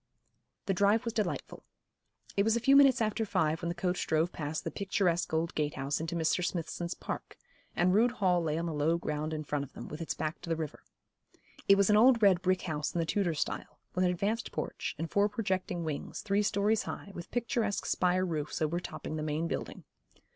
The drive was delightful. It was a few minutes after five when the coach drove past the picturesque old gate house into Mr. Smithson's Park, and Rood Hall lay on the low ground in front of them, with its back to the river. It was an old red brick house in the Tudor style, with an advanced porch, and four projecting wings, three stories high, with picturesque spire roofs overtopping the main building.